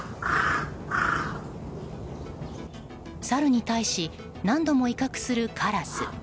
サルに対し何度も威嚇するカラス。